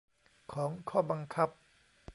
ของข้อบังคับ